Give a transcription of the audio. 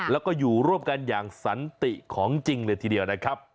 แล้วก็อยู่ร่วมกันอย่างสันติของจริงเลยทีเดียวนะครับ